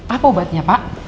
apa obatnya pak